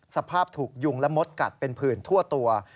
สภาพถูกยุงและมดกัดเป็นผื่นทั่วตัว